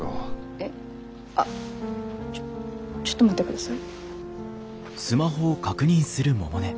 えっあちょちょっと待ってください。